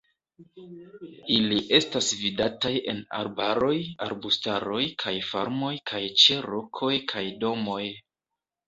Ili estas vidataj en arbaroj, arbustaroj kaj farmoj kaj ĉe rokoj kaj domoj.